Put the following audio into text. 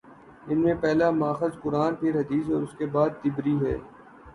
ان میں پہلا ماخذ قرآن، پھر حدیث اور اس کے بعد طبری ہیں۔